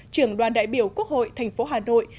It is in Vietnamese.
trưởng đoàn đại biểu quốc hội thành phố hà nội